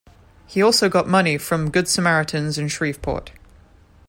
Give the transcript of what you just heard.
He also got money from Good Samaritans in Shreveport.